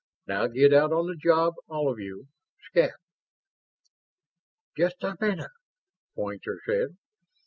Now get out on the job, all of you. Scat!" "Just a minute," Poynter said.